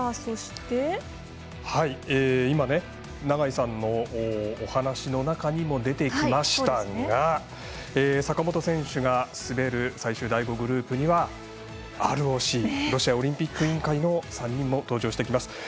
永井さんのお話の中にも出てきましたが坂本選手が滑る最終、第５グループにはＲＯＣ＝ロシアオリンピック委員会の３人登場してきます。